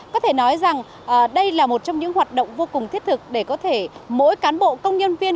có thể nói rằng đây là một trong những hoạt động vô cùng thiết thực để có thể mỗi cán bộ công nhân viên